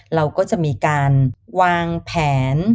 เราก็จะมีการวางแผน